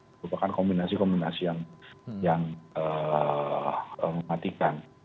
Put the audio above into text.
merupakan kombinasi kombinasi yang mematikan